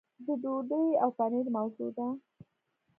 د ډوډۍ او پنیر موضوع ده.